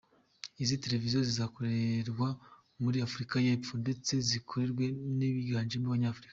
Izi telefoni zizakorerwa muri Afurika y’Epfo, ndetse zikorwe n’abiganjemo Abanyafurika.